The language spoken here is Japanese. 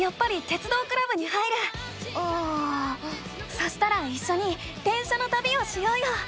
そしたらいっしょに電車のたびをしようよ！